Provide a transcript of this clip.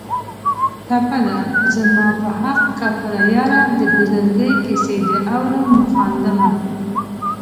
ټپه ده: زما په حق کافره یاره د بزرګۍ کیسې دې اورم و خاندمه